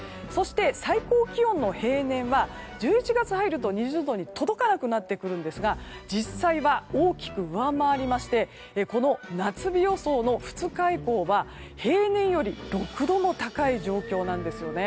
最高気温の平年は１１月に入ると２０度に届かなくなってくるんですが実際は大きく上回りましてこの夏日予想の２日以降は平年より６度も高い状況なんです。